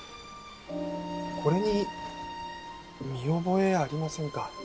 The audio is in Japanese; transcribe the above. これに見覚えありませんか？